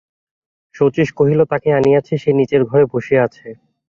শচীশ কহিল, তাকে আনিয়াছি, সে নীচের ঘরে বসিয়া আছে।